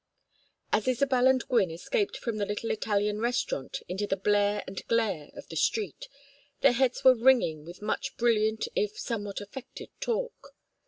As Isabel and Gwynne escaped from the little Italian restaurant into the blare and glare of the street, their heads were ringing with much brilliant if somewhat affected talk.